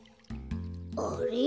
あれ？